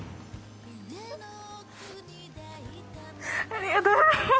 ありがとうございます。